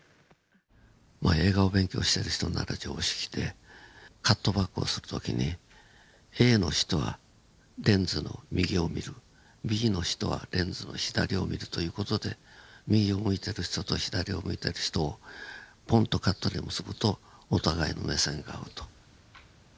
まあ映画を勉強している人なら常識でカットバックをする時にＡの人はレンズの右を見るＢの人はレンズの左を見るという事で右を向いてる人と左を向いてる人をポンとカットで結ぶとお互いの目線が合うと。